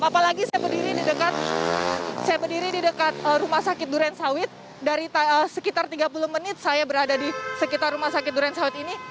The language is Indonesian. apalagi saya berdiri di dekat rumah sakit durensawit dari sekitar tiga puluh menit saya berada di sekitar rumah sakit durensawit ini